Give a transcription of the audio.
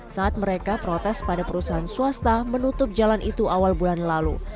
saat mereka protes pada perusahaan swasta menutup jalan itu awal bulan lalu